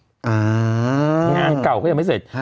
งานเก่าก็ยังไม่เสร็จ